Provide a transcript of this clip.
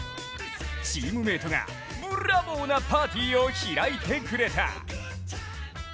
チームメートがブラボーなパーティーを開いてくれた。